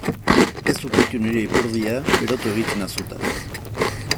Ez ukitu nire ipurdia berotu egiten nauzu eta.